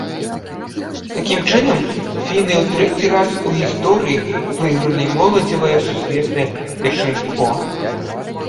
Такім чынам, фіны ў трэці раз у гісторыі выйгралі моладзевае сусветнае першынство.